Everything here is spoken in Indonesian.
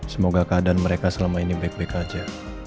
semoga keadaan mereka selama ini baik baik saja